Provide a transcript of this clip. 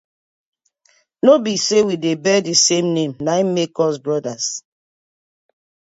No bi say we dey bear di same na im make us brothers.